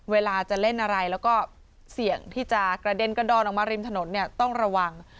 เวลาจะเล่นอะไรแล้วก็เสี่ยงที่จะกระเด็นกระดอนออกมาริมถนนเนี่ยต้องระวัง